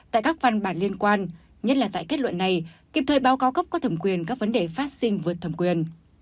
tại các văn bản liên quan nhất là tại kết luận này kịp thời báo cáo cấp có thẩm quyền các vấn đề phát sinh vượt thẩm quyền